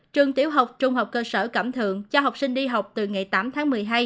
trường tiểu học trung học cơ sở cẩm thượng cho học sinh đi học từ ngày tám tháng một mươi hai